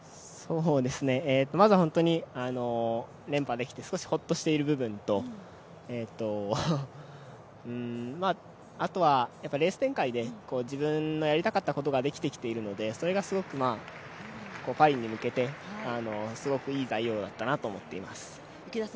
まず連覇できて、少しほっとしている部分とあとはレース展開で自分のやりたかったことができているのでそれがパリに向けてすごくいい材料だったなと思っています。